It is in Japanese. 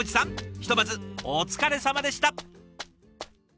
ひとまずお疲れさまでした！